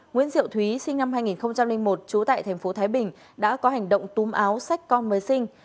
nguyễn diệu thúy sinh năm hai nghìn một trú tại tp thái bình đã có hành động túm áo xách con mới sinh